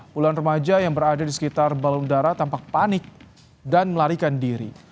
puluhan remaja yang berada di sekitar balon udara tampak panik dan melarikan diri